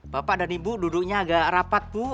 bapak dan ibu duduknya agak rapat bu